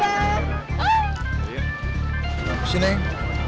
gapus sih neng